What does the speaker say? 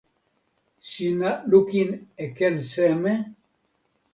sina lukin e ken seme?